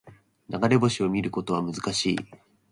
流れ星を見ることは難しい